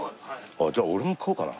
じゃあ俺も買おうかな。